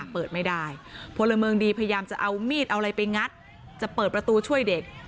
เปิดไม่ได้พลเมืองดีพยายามจะเอามีดเอาอะไรไปงัดจะเปิดประตูช่วยเด็ก